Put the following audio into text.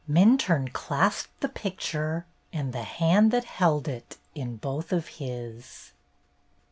Minturne clasped the picture and the hand that held it in both of his.